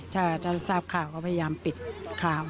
ถ้าท่านทราบข่าวก็พยายามปิดข่าว